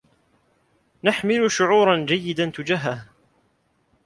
نحمل شعورا جيدا تجاهه.